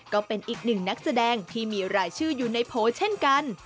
ก็เป็นอีกหนึ่งนักแสดงที่มีรายชื่ออยู่ในโพลเช่นกัน